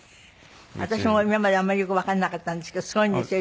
私も今まであんまりよくわからなかったんですけどすごいんですよ